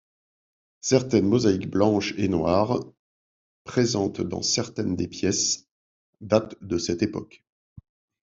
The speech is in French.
Certaines mosaïques blanches et noires, présentes dans certaines des pièces, datent de cette époque.